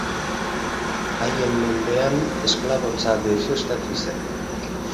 Haien menpean, esklabotza deuseztatu zen.